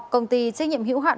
công ty trách nhiệm hữu hạn